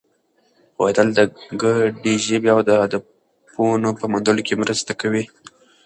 پوهېدل د ګډې ژبې او هدفونو په موندلو کې مرسته کوي.